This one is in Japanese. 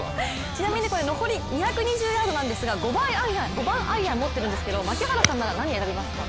ちなみにこれ２２０ヤードなんですが５番アイアンを持ってるんですけど槙原さんなら何選びますか？